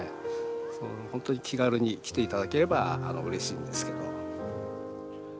本当に気軽に来ていただければうれしいんですけど。